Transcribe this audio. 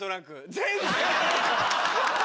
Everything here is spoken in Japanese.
全然。